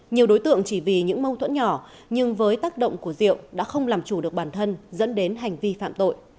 nhiều đối tượng chỉ vì những mâu thuẫn nhỏ nhưng với tác động của diệu đã không làm chủ được bản thân dẫn đến hành vi phạm tội